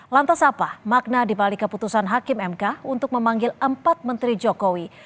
lantas apa makna dibalik keputusan hakim mk untuk memanggil empat menteri jokowi